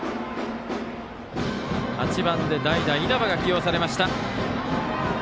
８番で代打、稲葉が起用されました。